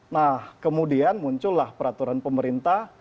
nah kemudian muncullah peraturan pemerintah